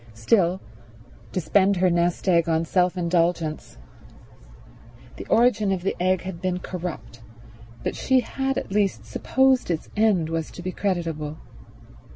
Still, to spend her nest egg on self indulgence— The origin of this egg had been corrupt, but she had at least supposed its end was to be creditable.